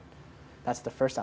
itulah aplikasi pertama